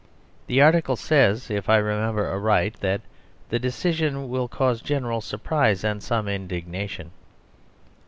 The article says, if I remember aright, that the decision will cause general surprise and some indignation.